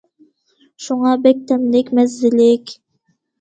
شۇڭا بەك تەملىك، مەززىلىك.